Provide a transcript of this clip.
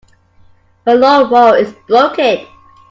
My lawn-mower is broken.